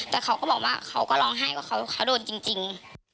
แต่เขาก็บอกว่าเขาก็ร้องไห้ว่าเขาโดนจริง